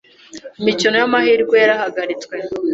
imikino y’amahirwe yarahagaritswe